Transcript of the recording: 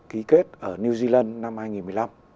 ký kết ở new zealand năm hai nghìn một mươi năm